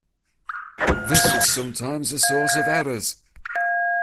This is sometimes a source of errors.